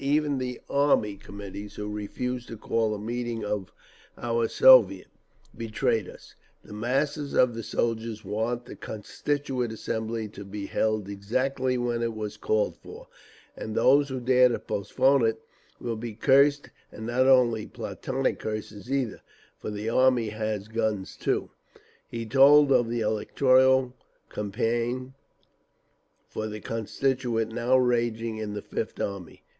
Even the Army Committees, who refused to call a meeting of our Soviet, betrayed us…. The masses of the soldiers want the Constituent Assembly to be held exactly when it was called for, and those who dare to postpone it will be cursed—and not only platonic curses either, for the Army has guns too…." He told of the electoral campaign for the Constituent now raging in the Fifth Army.